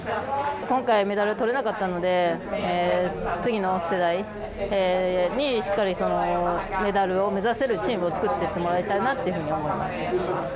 今回、メダルとれなかったので次の世代に、しっかりメダルを目指せるチームを作っていってもらいたいなと思います。